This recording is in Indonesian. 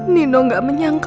biar kita berdua